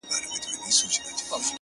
د آذري بت احترام ته يې دی سر ټيټ کړئ”